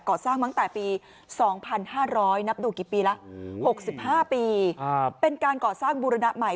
สร้างตั้งแต่ปี๒๕๐๐นับดูกี่ปีแล้ว๖๕ปีเป็นการก่อสร้างบูรณะใหม่